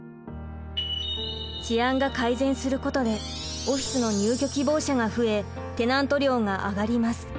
治安が改善することでオフィスの入居希望者が増えテナント料が上がります。